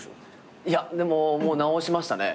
いやでももう直しましたね。